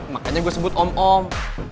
makanya gue sebut om om